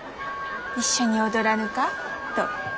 「一緒に踊らぬか？」と。